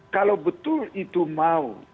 kalau betul itu mau